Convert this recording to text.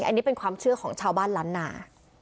อันนี้เป็นความเชื่อของชาวบ้านล้านนา